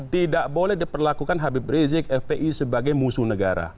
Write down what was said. tidak boleh diperlakukan habib rizik fpi sebagai musuh negara